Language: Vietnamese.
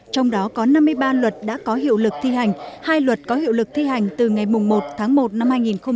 trong đó có năm mươi ba luật đã có hiệu lực thi hành hai luật có hiệu lực thi hành từ ngày một tháng một năm hai nghìn hai mươi